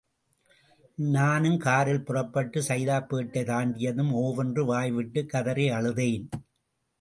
நானும் காரில் புறப்பட்டு சைதாப்பேட்டை தாண்டியதும் ஓ வென்று வாய்விட்டுக்கதறி அழுதேன்.